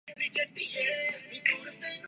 ملک میں سونے کی قیمت میں کمی کا سلسلہ جاری